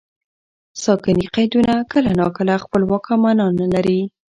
ساکني قیدونه کله ناکله خپلواکه مانا نه لري.